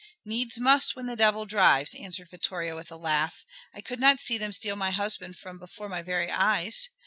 "Needs must when the devil drives," answered Vittoria with a laugh. "I could not see them steal my husband from before my very eyes.